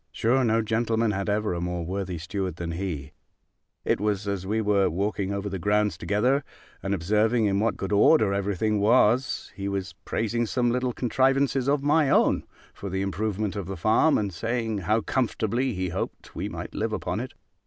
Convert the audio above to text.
Sure no gentleman had ever a more worthy steward than he: it was as we were walking over the grounds together, and observing in what good order every thing was, he was praising some little contrivances of my own, for the improvement of the farm, and saying, how comfortably he hoped we might live upon it.